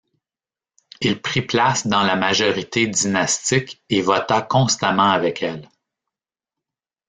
Il prit place dans la majorité dynastique et vota constamment avec elle.